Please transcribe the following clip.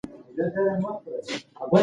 هغه په رښتیا د خپل ملت پلار و.